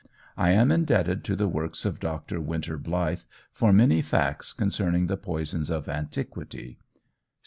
I am indebted to the works of Dr. Wynter Blyth for many facts concerning the poisons of antiquity.